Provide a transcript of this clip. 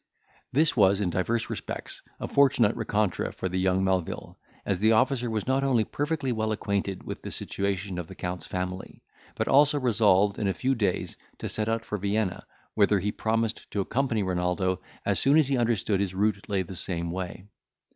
This was, in divers respects, a fortunate rencontre for young Melvil; as the officer was not only perfectly well acquainted with the situation of the Count's family, but also resolved, in a few days, to set out for Vienna, whither he promised to accompany Renaldo, as soon as he understood his route lay the same way.